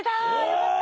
よかった。